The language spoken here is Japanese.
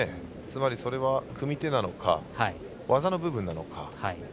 つまり、それは組み手なのか技の部分なのか。